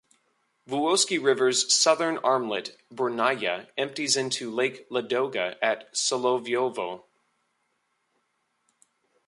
Vuoksi River's southern armlet Burnaya empties into Lake Ladoga at Solovyovo.